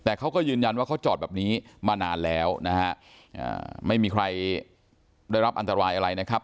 แต่เขาก็ยืนยันว่าเขาจอดแบบนี้มานานแล้วนะฮะไม่มีใครได้รับอันตรายอะไรนะครับ